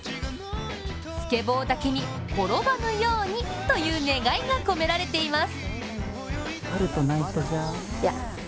スケボーだけに転ばぬようにという願いが込められています。